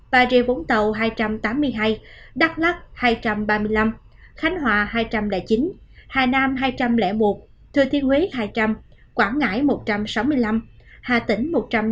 bà rịa vũng tàu hai trăm tám mươi hai đắk lắc hai trăm ba mươi năm khánh hòa hai trăm linh chín hà nam hai trăm linh một thừa thiên huế hai trăm linh quảng ngãi một trăm sáu mươi năm hà tĩnh một trăm ba mươi